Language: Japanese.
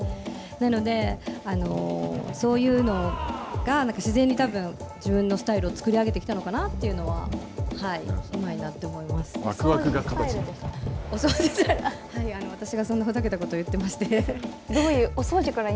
なので、そういうのが自然にたぶん自分のスタイルをつくり上げてきたのかなというのは、うまいなわくわくが。